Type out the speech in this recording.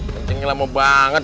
kencengnya lama banget